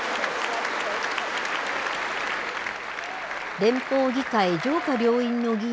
連邦議会、上下両院の議員